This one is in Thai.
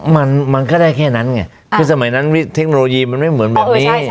มันมันก็ได้แค่นั้นไงคือสมัยนั้นเทคโนโลยีมันไม่เหมือนแบบนี้